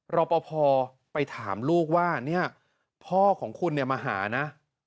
รอปภไปถามลูกว่าพ่อของคุณมาหานะ